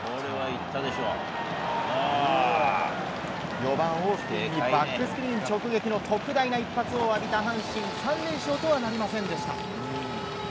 ４番オースティンにバックスクリーン直撃の特大な一発を浴びた阪神、３連勝とはなりませんでした。